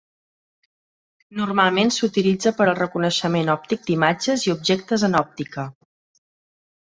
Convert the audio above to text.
Normalment s'utilitza per al reconeixement òptic d'imatges i objectes en òptica.